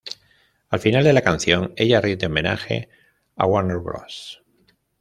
Al final de la canción ella rinde homenaje a Warner Bros.